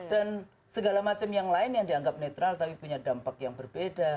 dan segala macam yang lain yang dianggap netral tapi punya dampak yang berbeda